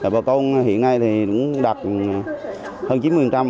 bà con hiện nay thì đạt hơn chín mươi